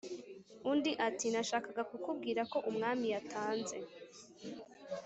” Undi ati:”Nashakaga kukubwira ko umwami yatanze”